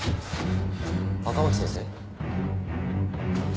赤巻先生？